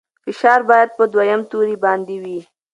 فشار باید په دویم توري باندې وي.